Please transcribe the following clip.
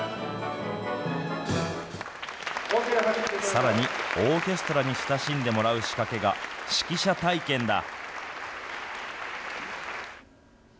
さらに、オーケストラに親しんでもらう仕掛けが、指揮者体験だ。